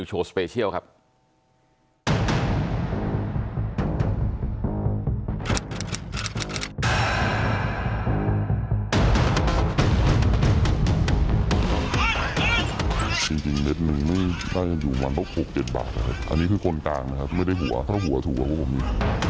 จริงจริงเม็ดหนึ่งนี่ได้ยังอยู่วันละหกหกเจ็ดบาทนะครับอันนี้คือคนกลางนะครับไม่ได้หัวถ้าหัวถูกกว่าพวกผมนี่